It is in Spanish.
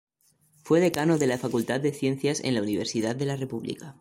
Fue Decano de la Facultad de Ciencias en la Universidad de la República.